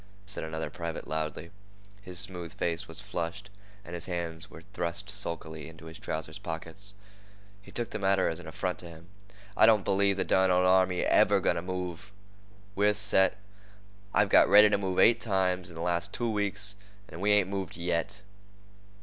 said another private loudly. His smooth face was flushed, and his hands were thrust sulkily into his trouser's pockets. He took the matter as an affront to him. "I don't believe the derned old army's ever going to move. We're set. I've got ready to move eight times in the last two weeks, and we ain't moved yet."